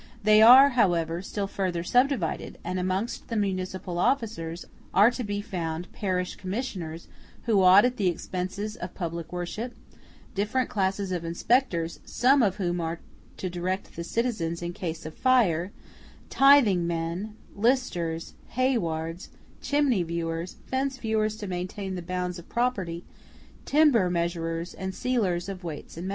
They are, however, still further subdivided; and amongst the municipal officers are to be found parish commissioners, who audit the expenses of public worship; different classes of inspectors, some of whom are to direct the citizens in case of fire; tithing men, listers, haywards, chimney viewers, fence viewers to maintain the bounds of property, timber measurers, and sealers of weights and measures.